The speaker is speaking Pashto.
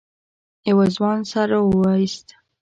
يوه ځوان سر راويست.